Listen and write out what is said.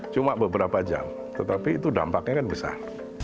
cuma beberapa jam tetapi itu dampaknya kan besar